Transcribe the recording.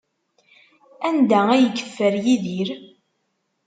Anda ay yeffer Yidir?